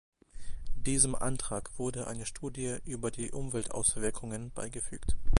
Diesem Antrag wurde eine Studie über die Umweltauswirkungen beigefügt.